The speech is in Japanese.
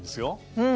うん。